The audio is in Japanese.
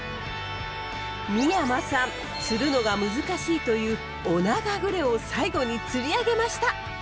三山さん釣るのが難しいというオナガグレを最後に釣り上げました！